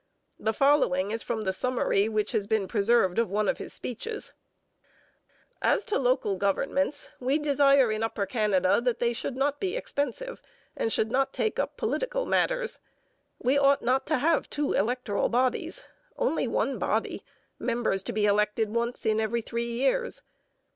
The following is from the summary which has been preserved of one of his speeches: As to local governments, we desire in Upper Canada that they should not be expensive, and should not take up political matters. We ought not to have two electoral bodies. Only one body, members to be elected once in every three years.